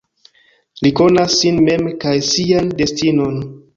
Li konas sin mem kaj sian destinon.